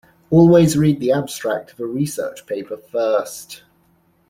Always read the abstract of a research paper first.